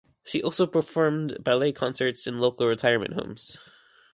She also performs ballet concerts in local retirement homes.